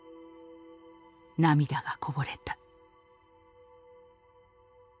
涙がこぼれた」。